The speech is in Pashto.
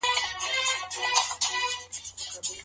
افغانانو د هند په پوځ کي کومي دندې درلودې؟